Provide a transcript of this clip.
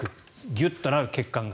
ギュッとなる、血管が。